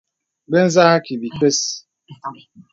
Bə zə àkì bìkəs.